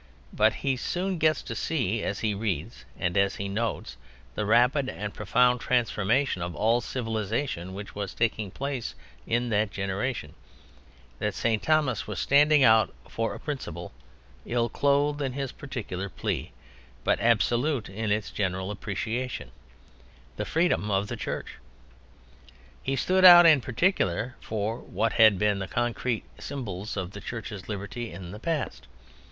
But he soon gets to see, as he reads and as he notes the rapid and profound transformation of all civilization which was taking place in that generation, that St. Thomas was standing out for a principle, ill clothed in his particular plea, but absolute in its general appreciation: the freedom of the Church. He stood out in particular for what had been the concrete symbols of the Church's liberty in the past.